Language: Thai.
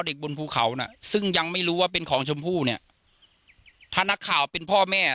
บนภูเขาน่ะซึ่งยังไม่รู้ว่าเป็นของชมพู่เนี่ยถ้านักข่าวเป็นพ่อแม่